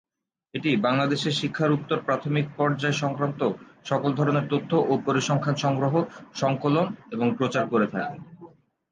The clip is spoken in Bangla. এটি বাংলাদেশে শিক্ষার উত্তর প্রাথমিক পর্যায় সংক্রান্ত সকল ধরনের তথ্য ও পরিসংখ্যান সংগ্রহ, সঙ্কলন এবং প্রচার করে থাকে।